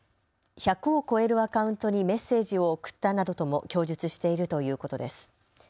１００を超えるアカウントにメッセージを送ったなどとも供述しているということです。